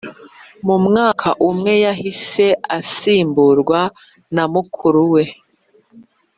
Mu mwaka umwe yahise asimburwa na mukuru we